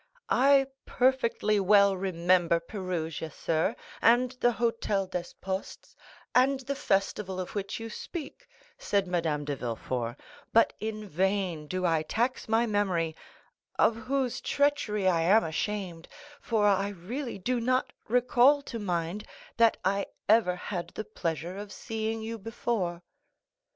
"I perfectly well remember Perugia, sir, and the Hôtel des Postes, and the festival of which you speak," said Madame de Villefort, "but in vain do I tax my memory, of whose treachery I am ashamed, for I really do not recall to mind that I ever had the pleasure of seeing you before."